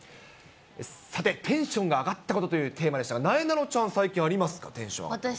さて、テンションが上がったことというテーマでしたが、なえなのちゃん、最近ありますか、テンション上がったこと。